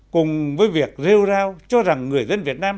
cùng với việc rêu rao cho rằng người dân việt nam